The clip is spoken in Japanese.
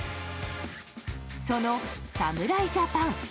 その侍ジャパン。